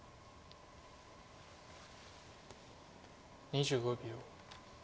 ２５秒。